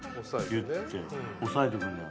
ギュって押さえとくんだよ。